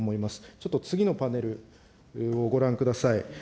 ちょっと次のパネルをご覧ください。